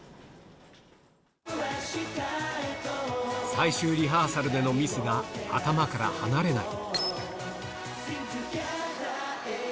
最終リハーサルでのミスが頭から離れない